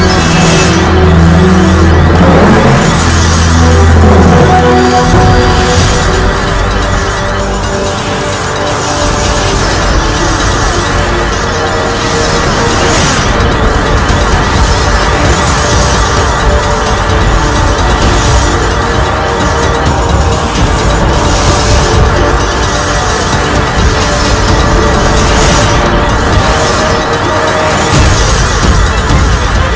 apakah kau lupa apa yang saya ajarkan